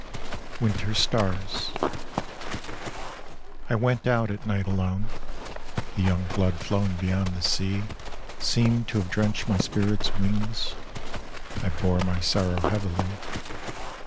Winter Stars I went out at night alone; The young blood flowing beyond the sea Seemed to have drenched my spirit's wings I bore my sorrow heavily.